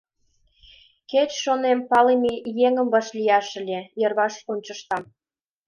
«Кеч, — шонем, — палыме еҥым вашлияш ыле», йырваш ончыштам.